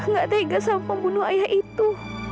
nggak tega sama pembunuh ayah itu